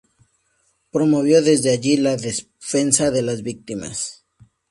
Promovió desde allí la defensa de las víctimas.